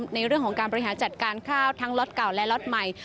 ในเรื่องของการบริหารจัดการข้าวทั้งล็อตเก่าและล็อตใหม่